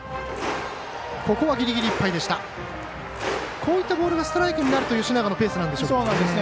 こういったボールがストライクになると吉永のペースなんですかね。